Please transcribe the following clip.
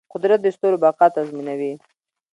قدرت د ستورو بقا تضمینوي.